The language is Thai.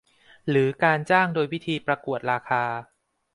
หรือการจ้างโดยวิธีประกวดราคา